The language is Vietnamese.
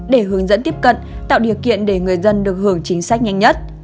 để hướng dẫn tiếp cận tạo điều kiện để người dân được hưởng chính sách nhanh nhất